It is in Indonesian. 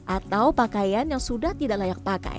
atau pakaian yang sudah tidak layak pakai